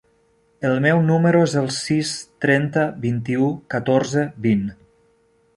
El meu número es el sis, trenta, vint-i-u, catorze, vint.